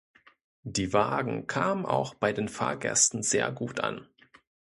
Die Wagen kamen auch bei den Fahrgästen sehr gut an.